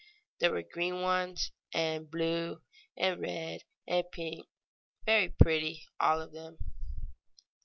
There were green ones, and blue and red and pink very pretty, all of them.